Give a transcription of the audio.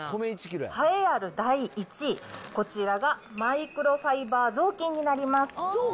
栄えある第１位、こちらがマイクロファイバー雑巾になります。